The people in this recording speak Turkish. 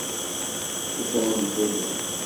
Bu sonuncusuydu.